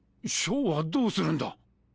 ショーはどうするんだ？